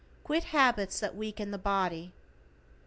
Quit habits that weaken the body.